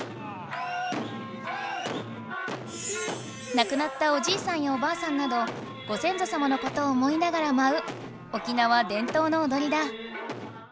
なくなったおじいさんやおばあさんなどご先祖様のことを思いながらまう沖縄伝統のおどりだ。